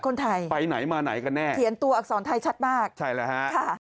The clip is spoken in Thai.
คนไทยไปไหนมาไหนกันแน่เขียนตัวอักษรไทยชัดมากใช่แล้วฮะค่ะ